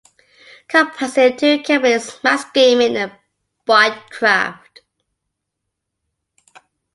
Comprising two companies, Maxgaming and ByteCraft.